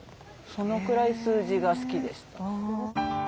そのくらい数字が好きでした。